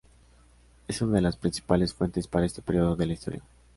Es una de las principales fuentes para este período de la historia.